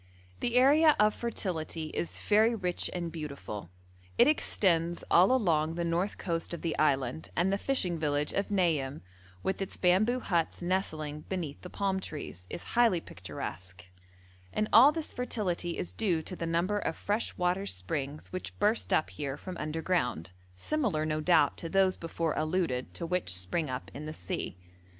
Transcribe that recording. The area of fertility is very rich and beautiful; it extends all along the north coast of the island, and the fishing village of Nayim, with its bamboo huts nestling beneath the palm trees, is highly picturesque; and all this fertility is due to the number of fresh water springs which burst up here from underground, similar, no doubt, to those before alluded to which spring up in the sea.